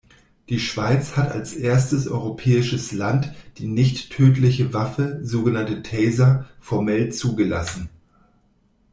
Die Schweiz hat als erstes europäisches Land die nicht-tödliche Waffe, sogenannte Taser, formell zugelassen.